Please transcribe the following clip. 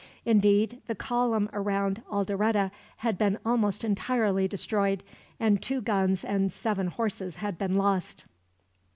Indeed, the column around Alderete had been almost entirely destroyed, and two guns and seven horses had been lost.